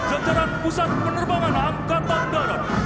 jajaran pusat penerbangan angkatan darat